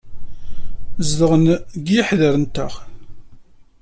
Zedɣen deg yiḥder-nteɣ.